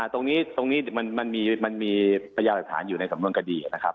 ตรงนี้มันมีประยาศาสตร์อยู่ในสำรวงกดีนะครับ